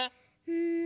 うん！